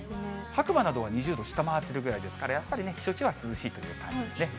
白馬などは２０度下回ってるぐらいですから、やっぱりね、避暑地は涼しいという感じですね。